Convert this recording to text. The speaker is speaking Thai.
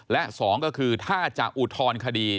และ๒ก็คือถ้าจะอุทธรณคดี